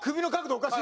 おかしい